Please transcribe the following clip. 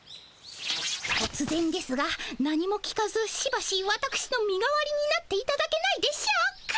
とつぜんですが何も聞かずしばしわたくしの身代わりになっていただけないでしょうか？